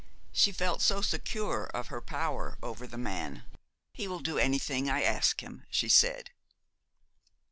She felt so secure of her power over the man. "He will do anything I ask him," she said.'